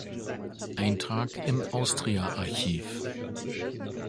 Eintrag im Austria-Archiv